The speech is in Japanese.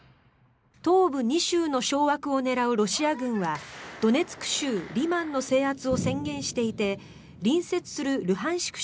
東部２州の掌握を狙うロシア軍はドネツク州リマンの制圧を宣言していて隣接するルハンシク